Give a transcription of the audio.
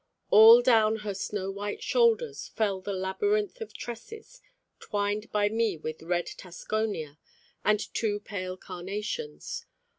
All down her snow white shoulders fell the labyrinth of tresses, twined by me with red Tacsonia, and two pale carnations.